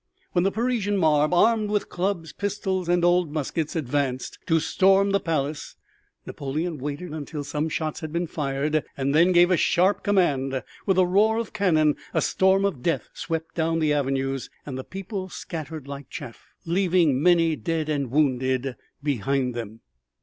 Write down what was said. When the Parisian mob armed with clubs, pistols and old muskets advanced to storm the palace Napoleon waited until some shots had been fired and then gave a sharp command. With a roar of cannon a storm of death swept down the avenues, and the people scattered like chaff, leaving many dead and wounded behind them.